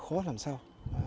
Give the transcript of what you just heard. khó làm sau